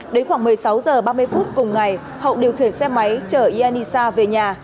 đến khoảng một mươi sáu h ba mươi phút cùng ngày hậu điều khiển xe máy chở yannisha về nhà